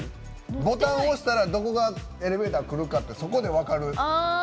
ボタン押したら、どこがエレベーター来るかってそこで分かる。